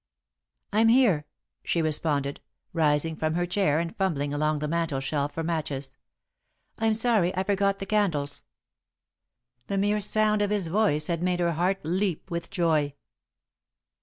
"I'm here," she responded, rising from her chair and fumbling along the mantel shelf for matches. "I'm sorry I forgot the candles." The mere sound of his voice had made her heart leap with joy.